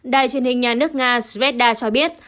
đài truyền hình nhà nước nga svedda cho biết